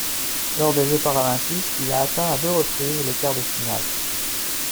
Lors des Jeux Paralympiques, il a atteint à deux reprises les quarts de finale.